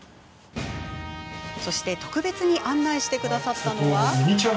そして特別に案内してくれたのは。